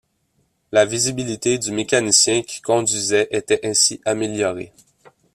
La visibilité du mécanicien qui conduisait était ainsi améliorée.